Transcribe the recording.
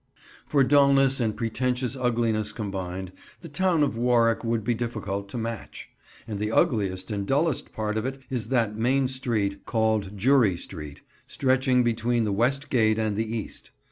For dulness and pretentious ugliness combined, the town of Warwick would be difficult to match; and the ugliest and dullest part of it is that main street called Jury Street, stretching between the West Gate and the East.